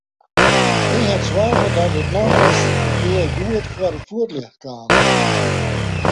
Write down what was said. Hy hat soarge dat it nochris in kear goed foar it fuotljocht kaam.